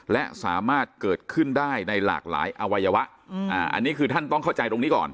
และสามารถเกิดขึ้นได้ในหลากหลายอวัยวะอันนี้คือท่านต้องเข้าใจตรงนี้ก่อน